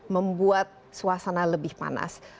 membuat suasana lebih panas